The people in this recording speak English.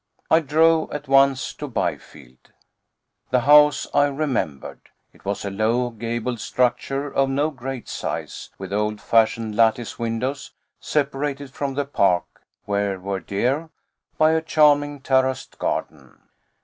I drove at once to Byfield. The house I remembered. It was a low, gabled structure of no great size, with old fashioned lattice windows, separated from the park, where were deer, by a charming terraced garden.